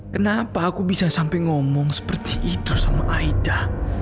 kenapa aku bisa sampai ngomong seperti itu sama aida